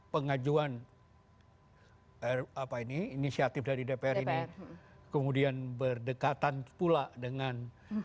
pengajuan inisiatif dari dpr ini kemudian berdekatan pula dengan